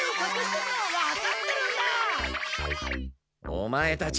オマエたち